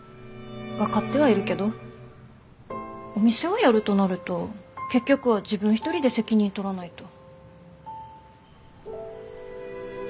分かってはいるけどお店をやるとなると結局は自分一人で責任取らないと。